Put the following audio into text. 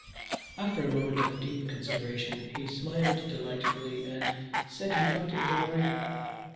After a moment of deep consideration he smiled delightfully and said he thought it was all right.